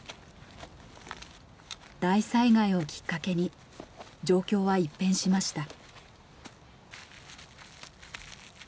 大災害をきっかけに状況は一変しました。